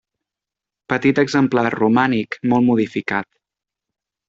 Petit exemplar romànic molt modificat.